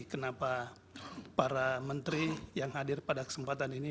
kenapa para menteri yang hadir pada kesempatan ini